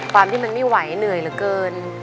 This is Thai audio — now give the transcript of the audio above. ความที่มันไม่ไหวเหนื่อยเหลือเกิน